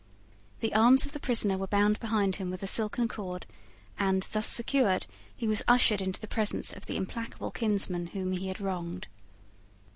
The arms of the prisoner were bound behind him with a silken cord; and, thus secured, he was ushered into the presence of the implacable kinsman whom he had wronged.